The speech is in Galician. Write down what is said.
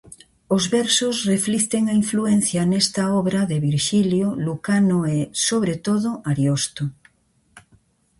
Os versos reflicten a influencia nesta obra de Virxilio, Lucano e, sobre todo, Ariosto.